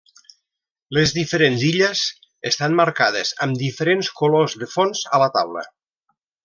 Les diferents illes estan marcades amb diferents colors de fons a la taula.